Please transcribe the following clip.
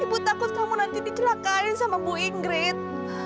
ibu takut kamu nanti dicelakain sama bu ingrid